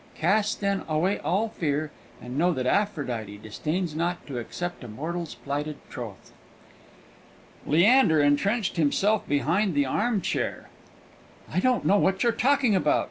Cast, then, away all fear, and know that Aphrodite disdains not to accept a mortal's plighted troth!" Leander entrenched himself promptly behind the armchair. "I don't know what you're talking about!"